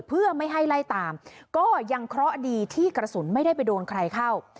เพื่อไม่ให้ไล่ตามก็ยังเคราะห์ดีที่กระสุนไม่ได้ไปโดนใครเข้า